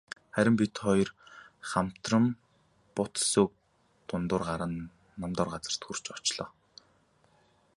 Харин бид хоёр хамтран бут сөөг дундуур гаран нам доор газарт хүрч очлоо.